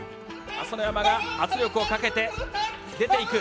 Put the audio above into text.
朝乃山が圧力をかけて出ていく。